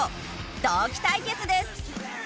同期対決です。